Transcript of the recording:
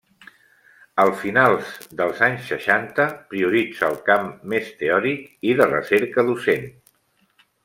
A finals dels anys seixanta, prioritza el camp més teòric i de recerca docent.